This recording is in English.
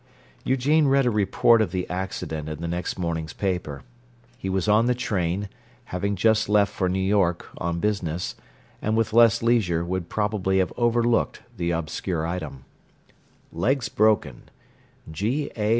Eugene read a report of the accident in the next morning's paper. He was on the train, having just left for New York, on business, and with less leisure would probably have overlooked the obscure item: LEGS BROKEN G. A.